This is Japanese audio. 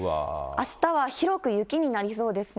あしたは広く雪になりそうですね。